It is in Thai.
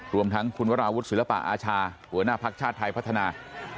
รวมทั้งคุณวราวุฒิศิลปะอาชาหัวหน้าภักดิ์ชาติไทยพัฒนา